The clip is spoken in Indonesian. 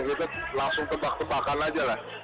kita langsung tebak tebakan aja lah